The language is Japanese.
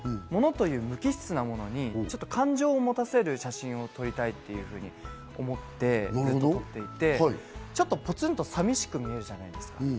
物っていう無機質なものに感情を持たせる写真を撮りたいっていうふうに思って撮っていて、ちょっとポツンとさみしく見えるじゃないですか。